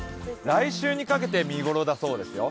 来週にかけて見頃だそうですよ。